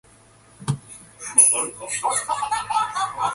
Part of the route follows the Willow Creek drainage through Ione.